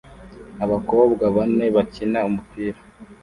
Abakobwa bane bakina umupira